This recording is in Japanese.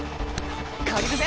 借りるぜ。